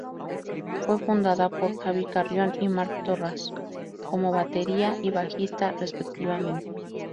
Fue fundada por Javi Carrión y Marc Torras como batería y bajista, respectivamente.